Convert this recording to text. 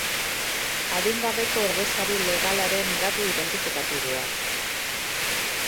Adingabeko ordezkari legalaren datu identifikatiboak